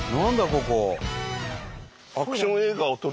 ここ。